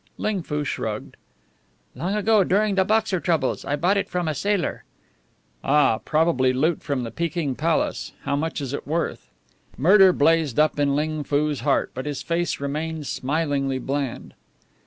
Ling Foo shrugged. "Long ago, during the Boxer troubles, I bought it from a sailor." "Ah, probably loot from the Peking palace. How much is it worth?" Murder blazed up in Ling Foo's heart, but his face remained smilingly bland.